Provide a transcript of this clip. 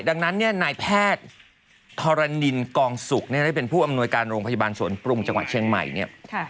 ดังนั้นนายแพทย์ทรนินกองสุกเป็นผู้อำนวยการโรงพยาบาลสวนปรุงจังหวัดเชียงใหม่